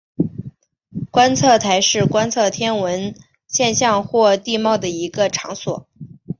观测台是观测天文现象或是地貌的一个场所。